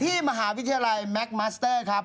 ที่มหาวิทยาลัยแม็กมัสเตอร์ครับ